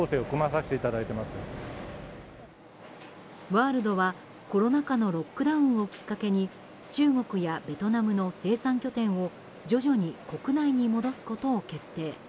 ワールドは、コロナ禍のロックダウンをきっかけに中国やベトナムの生産拠点を徐々に国内に戻すことを決定。